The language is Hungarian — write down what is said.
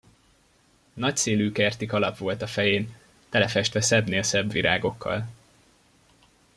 Nagy szélű kerti kalap volt a fején, telefestve szebbnél szebb virágokkal.